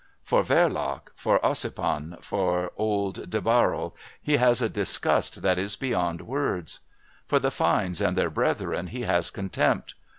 For Verloc, for Ossipon, for old De Barral he has a disgust that is beyond words. For the Fynes and their brethren he has contempt.